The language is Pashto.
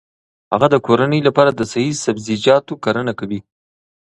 هغه د کورنۍ لپاره د صحي سبزیجاتو کرنه کوي.